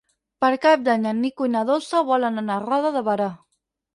Per Cap d'Any en Nico i na Dolça volen anar a Roda de Berà.